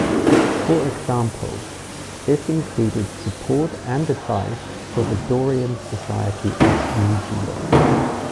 For example, this included support and advice for the Dorian Society of New Zealand.